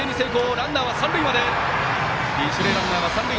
ランナーは三塁まで。